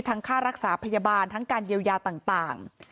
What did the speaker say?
ค่ารักษาพยาบาลทั้งการเยียวยาต่าง